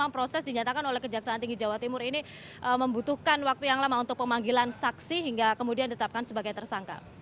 proses dinyatakan oleh kejaksaan tinggi jawa timur ini membutuhkan waktu yang lama untuk pemanggilan saksi hingga kemudian ditetapkan sebagai tersangka